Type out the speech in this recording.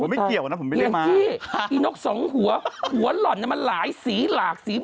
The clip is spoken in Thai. ไอ้นลก๒หัวหัวหล่อนมันหลายสีหลาก